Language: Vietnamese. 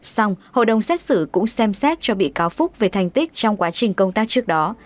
xong hội đồng xét xử cũng xem xét cho bị cáo phúc về thành tích trong quá trình công tác trước đó